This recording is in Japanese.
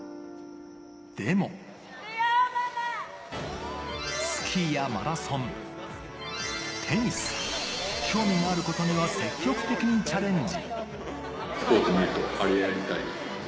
でも、スキーやマラソン、テニス、興味のあることには積極的にチャレンジ。